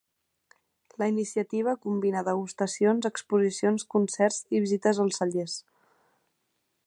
La iniciativa combina degustacions, exposicions, concerts i visites als cellers.